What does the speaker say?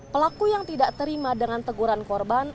pelaku yang tidak terima dengan teguran korban